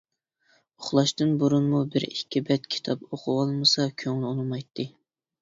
ئۇخلاشتىن بۇرۇنمۇ بىر-ئىككى بەت كىتاب ئوقۇۋالمىسا كۆڭلى ئۇنىمايتتى.